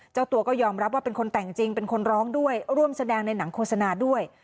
เจ้าตัวก็ยอมรับว่าเป็นคนแต่งจริงเป็นคนร้องด้วยร่วมแสดงในหนังโฆษณาด้วย